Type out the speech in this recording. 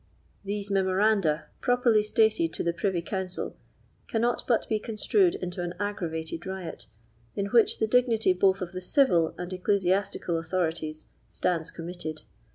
These memoranda, properly stated to the privy council, cannot but be construed into an aggravated riot, in which the dignity both of the civil and ecclesiastical authorities stands committed.